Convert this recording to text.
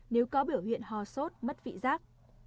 nếu có biểu hiện ho sốt mất vị giác